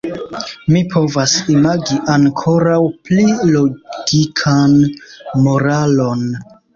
Mi povas imagi ankoraŭ pli logikan moralon.